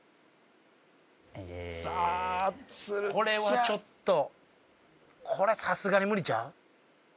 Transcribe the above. これはちょっとこれさすがに無理ちゃう？